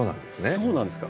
そうなんですか。